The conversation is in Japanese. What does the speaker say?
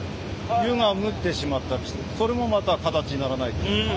湯が漏ってしまったりしてそれもまた形にならない。